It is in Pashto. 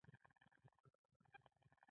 بیا یې چټل بالښتونه راټول کړل